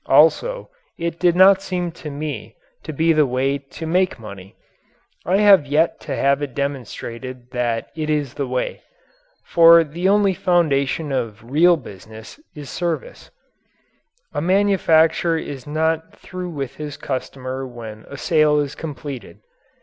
Also it did not seem to me to be the way to make money. I have yet to have it demonstrated that it is the way. For the only foundation of real business is service. A manufacturer is not through with his customer when a sale is completed.